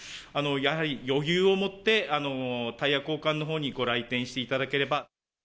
やはり余裕をもって、タイヤ交換のほうにご来店していただければ。